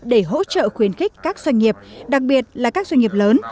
để hỗ trợ khuyến khích các doanh nghiệp đặc biệt là các doanh nghiệp lớn